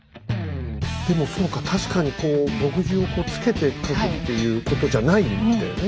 でもそうか確かにこう墨汁をこうつけて書くっていうことじゃないんだよね。